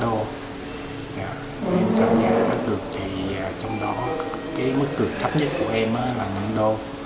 nhưng các nhà cá tược thì trong đó cái mức tược thấp nhất của em là năm đô